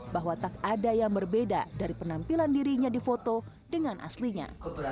bahwa tak ada yang berbeda dari penampilan dirinya di foto dengan aslinya